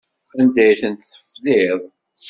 Anda ay tent-tefliḍ?